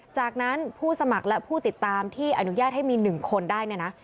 จากนั้นผู้สมัครและผู้ติดตามที่อนุญาตให้มี๑คนได้เนี่ยนะ